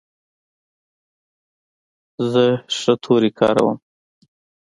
زه ښه توري کاروم.